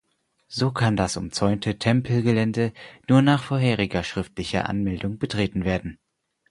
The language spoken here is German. So kann das umzäunte Tempelgelände nur nach vorheriger schriftlicher Anmeldung betreten werden.